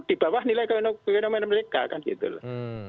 di bawah nilai fenomena mereka kan gitu loh